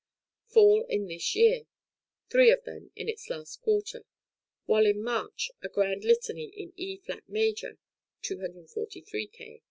fall in this year, three of them in its last quarter, while in March a Grand Litany in E flat major (243 K.)